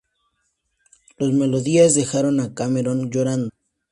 Las melodías dejaron a Cameron llorando.